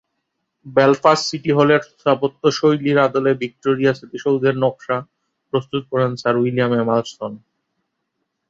Belfast city হলের স্থাপত্যশৈলীর আদলে ভিক্টোরিয়া স্মৃতিসৌধের নকশা প্রস্তুত করেন স্যার উইলিয়াম এমারসন।